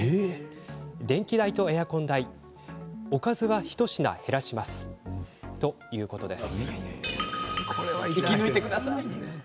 電気代とエアコン代おかずを一品減らしますということです。